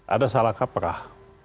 ada salah kaprah